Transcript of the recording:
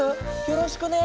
よろしくね。